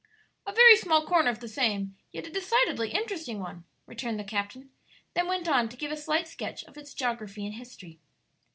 "A very small corner of the same, yet a decidedly interesting one," returned the captain; then went on to give a slight sketch of its geography and history.